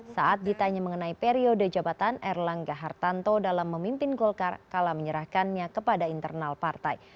saat ditanya mengenai periode jabatan erlangga hartanto dalam memimpin golkar kala menyerahkannya kepada internal partai